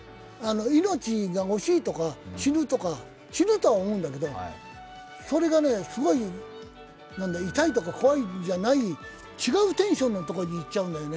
命が惜しいとか死ぬとか、死ぬとは思うんだけどそれがすごい痛いとか怖いじゃない違うテンションのところにいっちゃうんだね。